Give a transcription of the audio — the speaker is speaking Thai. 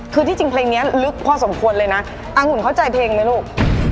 คือที่จริงเพลงนี้ลึกพอสมควรเลยนะอังุ่นเข้าใจเพลงไหมลูก